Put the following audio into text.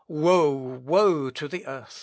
Woe! Woe to the earth!"